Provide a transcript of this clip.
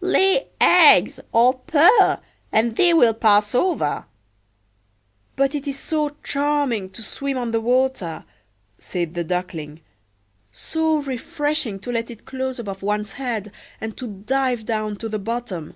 Lay eggs, or purr, and they will pass over.""But it is so charming to swim on the water!" said the Duckling, "so refreshing to let it close above one's head, and to dive down to the bottom."